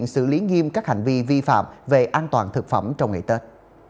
xử lý nghiêm các hành vi vi phạm về an toàn thực phẩm trong ngày tết